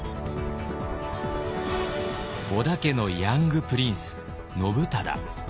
織田家のヤングプリンス信忠。